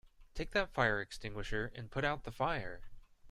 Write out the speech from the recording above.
Take that fire extinguisher and put out the fire!